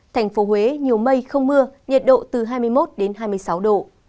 thành phố huế nhiều mây không mưa nhiệt độ từ hai mươi một hai mươi sáu độ